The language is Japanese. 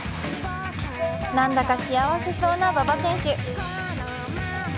なんだか幸せそうな馬場選手。